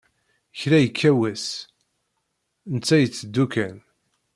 Kra yekka wass netta iteddu kan.